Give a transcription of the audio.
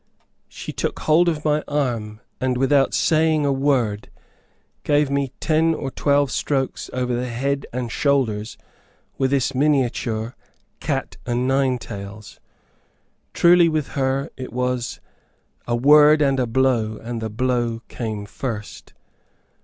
She took hold of my arm, and without saying a word, gave me ten or twelve strokes over the head and shoulders with this miniature cat o' nine tails. Truly, with her, it was "a word and a blow, and the blow came first."